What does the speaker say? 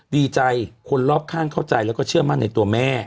ดีใจคนรอบข้างเข้าใจแล้วก็เชื่อมั่นในตัวแม่